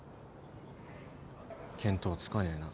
見当つかねえな。